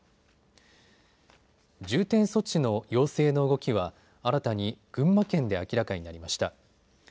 重点措置の要請の動きは新たに群馬県で明らかになりました。